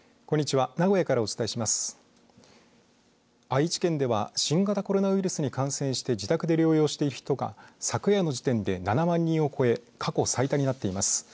愛知県では新型コロナウイルスに感染して自宅で療養している人が昨夜の時点で７万人を超え過去最多になっています。